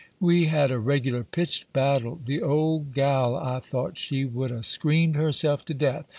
We had a regular pitched battle the old gal, I thought she would 'a screamed herself to death!